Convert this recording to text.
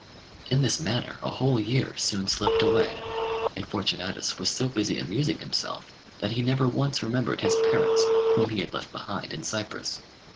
In this manner a whole year soon slipped away, and Fortunatus was so busy amusing himself that he never once remembered his parents whom he had left behind in Cyprus.